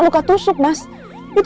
nggak apa apa dari mana pak